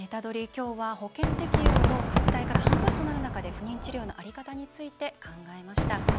今日は保険適用の拡大から半年となる中で不妊治療の在り方について考えました。